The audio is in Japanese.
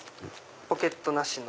ポケットなしの？